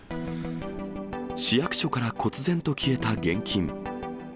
市役所からこつ然と消えた現金。